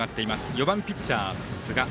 ４番ピッチャー、寿賀。